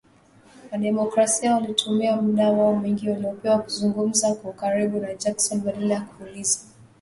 Wademokrasia walitumia muda wao mwingi waliopewa kuzungumza kwa ukaribu na Jackson, badala ya kuuliza maswali ya moja kwa moja